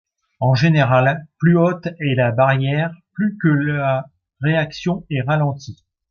En général, plus haute est la barrière, plus que la réaction est ralentie.